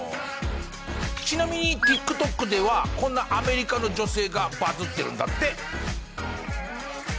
ちなみにＴｉｋＴｏｋではこのアメリカの女性がバズってるんだって。